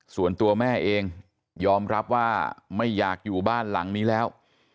ส่วนตัวแม่เองยอมรับว่าไม่อยากอยู่บ้านหลังนี้แล้ว